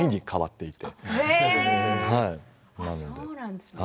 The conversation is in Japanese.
そうなんですね。